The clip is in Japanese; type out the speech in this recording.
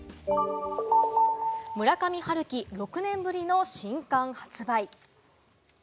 村上春樹、６年ぶりの新刊発売。